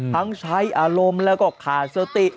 ทั้งใช้อารมณ์แล้วก็ขาดสติ